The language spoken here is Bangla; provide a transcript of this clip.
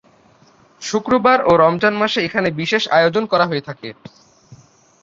শুক্রবার ও রমজান মাসে এখানে বিশেষ আয়োজন করা হয়ে থাকে।